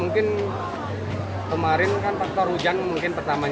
mungkin kemarin kan faktor hujan mungkin pertama